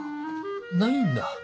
ないんだ